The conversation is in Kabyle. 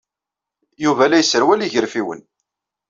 Yuba la yesserwal igerfiwen.